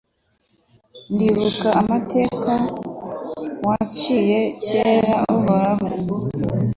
Ndibuka amateka waciye kera Uhoraho